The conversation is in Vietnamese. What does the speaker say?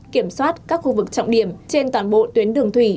kiểm soát các khu vực trọng điểm trên toàn bộ tuyến đường thủy